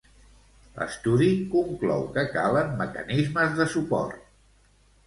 L'estudi conclou que calen mecanismes de suport.